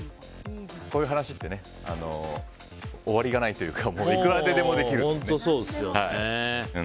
こういう話って終わりがないというか本当そうですよね。